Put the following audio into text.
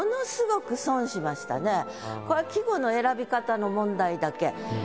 ここがこれは季語の選び方の問題だけ。